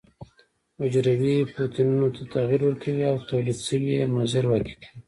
حجروي پروتینونو ته تغیر ورکوي او تولید شوي یې مضر واقع کیږي.